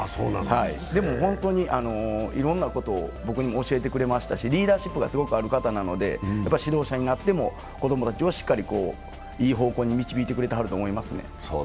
でも本当にいろんなことを僕に教えてくれましたしリーダーシップがすごくある方なので、指導者になっても子供たちもしっかりいい方向に導いてくれると思いますね。